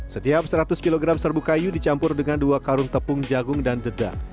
setiap seratus kg serbu kayu dicampur dengan dua karung tepung jagung dan dedak